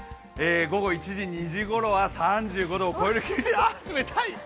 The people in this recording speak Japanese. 午後１時、２時ごろは３５度を超える天気あっ、冷たい。